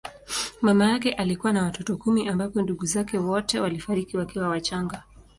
Mama yake alikuwa na watoto kumi ambapo ndugu zake wote walifariki wakiwa wachanga.